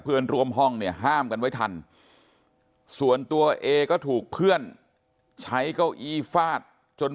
เพื่อนร่วมห้องเนี่ยห้ามกันไว้ทันส่วนตัวเอก็ถูกเพื่อนใช้เก้าอี้ฟาดจน